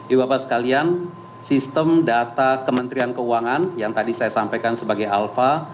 ibu bapak sekalian sistem data kementerian keuangan yang tadi saya sampaikan sebagai alfa